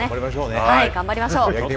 頑張りましょう！